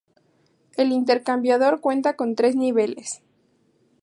El intercambiador cuenta con tres niveles.